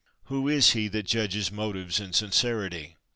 Who is he that judges motives and sincerity?